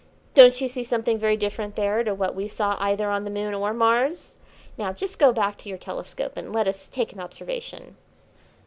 "Don't you see something very different there to what we saw either on the Moon or Mars? Now just go back to your telescope and let us take an observation."